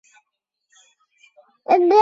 北方町为岐阜县的町。